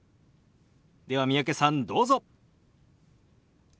では三宅さんどうぞ。